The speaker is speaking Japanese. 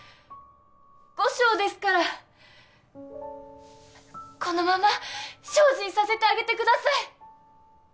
後生ですからこのまま精進させてあげてください！